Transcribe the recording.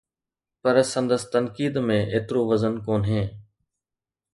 پر سندس تنقيد ۾ ايترو وزن ڪونهي.